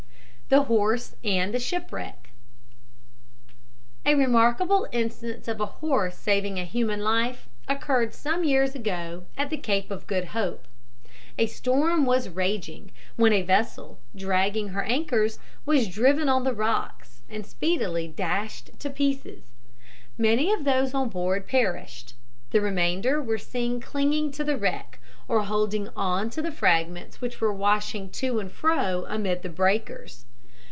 THE HORSE AND THE SHIPWRECK. A remarkable instance of a horse saving human life occurred some years ago at the Cape of Good Hope. A storm was raging, when a vessel, dragging her anchors, was driven on the rocks, and speedily dashed to pieces. Many of those on board perished. The remainder were seen clinging to the wreck, or holding on to the fragments which were washing to and fro amid the breakers.